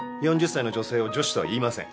４０歳の女性を女子とは言いません。